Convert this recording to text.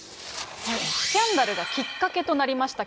スキャンダルがきっかけとなりました、